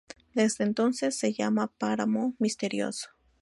Desde entonces se llama Páramo Misterioso.